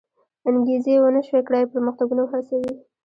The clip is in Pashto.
انګېزې و نه شوی کړای پرمختګونه وهڅوي.